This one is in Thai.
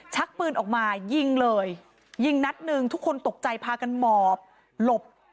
ชักปืนออกมายิงเลยยิงนัดหนึ่งทุกคนตกใจพากันหมอบหลบ